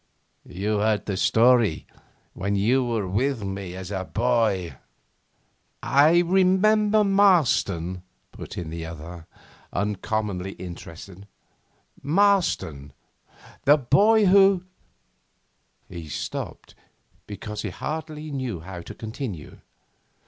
You heard the story when you were with me as a boy ?' 'I remember Marston,' put in the other, uncommonly interested, 'Marston the boy who ' He stopped because he hardly knew how to continue.